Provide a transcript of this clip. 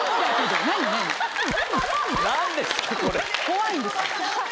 怖いんですよ。